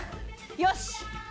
よし！